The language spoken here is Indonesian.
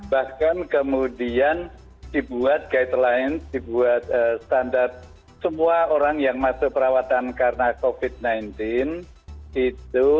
bahkan kemudian dibuat guideline dibuat standar semua orang yang masuk perawatan karena covid sembilan belas itu